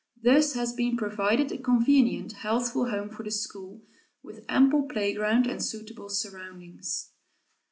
Thus has been provided a convenient, healthful home for the school, with ample playground and suitable surroundings.